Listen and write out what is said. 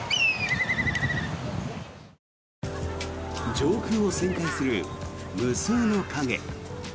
上空を旋回する無数の影。